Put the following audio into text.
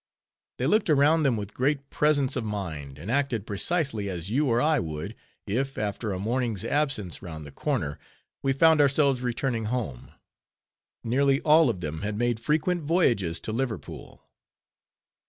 They looked around them with great presence of mind, and acted precisely as you or I would, if, after a morning's absence round the corner, we found ourselves returning home. Nearly all of them had made frequent voyages to Liverpool.